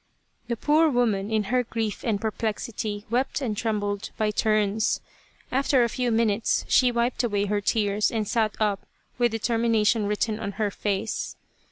The poor woman, in her grief and perplexity, wept and trembled by turns. After a few minutes she wiped away her tears and sat up with determination written on her face.